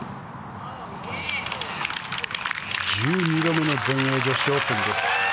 １２度目の全英女子オープンです。